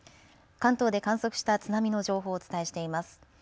関東で観測した津波の情報をお伝えしています。